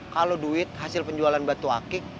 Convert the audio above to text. kalau duit hasil penjualan batu akik